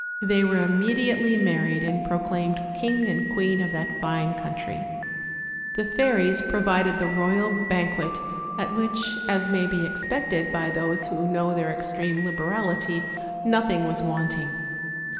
They were immediately mar ried, and proclaimed king and queen of that fine country. The fairies provided the royal banquet, at which, as may be expected by those who know their extreme liberality, nothing was wanting.